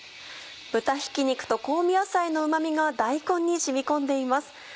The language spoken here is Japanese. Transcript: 豚ひき肉と香味野菜のうま味が大根に染み込んでいます。